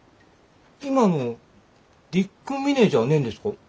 今のディック・ミネじゃねんですか？